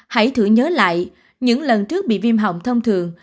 hãy thử nhớ lại những lần trước bị viêm hỏng thông thường